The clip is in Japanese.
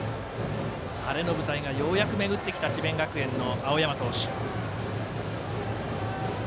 晴れの舞台がようやく巡ってきた智弁学園の青山投手。